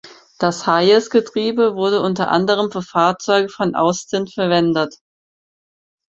Das Hayes-Getriebe wurde unter anderem für Fahrzeuge von Austin verwendet.